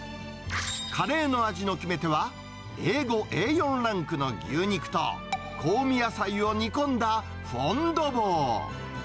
カレーの味の決め手は、Ａ５、Ａ４ランクの牛肉と、香味野菜を煮込んだフォンドボー。